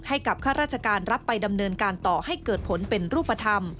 ข้าราชการรับไปดำเนินการต่อให้เกิดผลเป็นรูปธรรม